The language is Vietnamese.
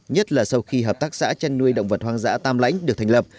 nhất là sau khi hợp tác xã chăn nuôi động vật hoang dã tam lãnh được thành lập